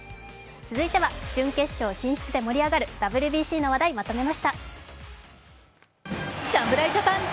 続いては準決勝進出で盛り上がるＷＢＣの話題、まとめました。